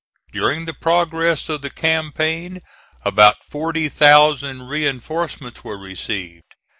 During the progress of the campaign about 40,000 reinforcements were received.